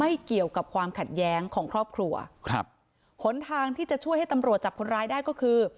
เกี่ยวกับความขัดแย้งของครอบครัวครับหนทางที่จะช่วยให้ตำรวจจับคนร้ายได้ก็คือ